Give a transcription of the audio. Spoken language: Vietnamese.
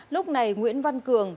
lúc này nguyễn văn cường